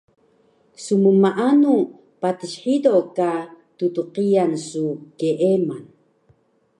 Smmaanu patis hido ka ttqiyan su keeman?